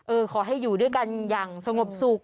ขอให้อยู่ด้วยกันอย่างสงบสุข